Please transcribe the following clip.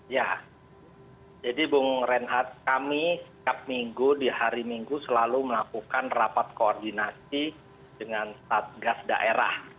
ya jadi bung renhat kami setiap minggu di hari minggu selalu melakukan rapat koordinasi dengan satgas daerah